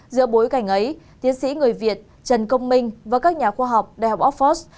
giữa bối cảnh ấy tiến sĩ người việt trần công minh và các nhà khoa học đại học oxford